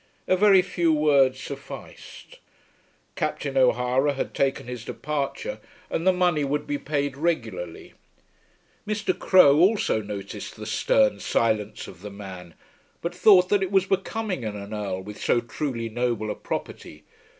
A very few words sufficed. Captain O'Hara had taken his departure, and the money would be paid regularly. Mr. Crowe also noticed the stern silence of the man, but thought that it was becoming in an Earl with so truly noble a property.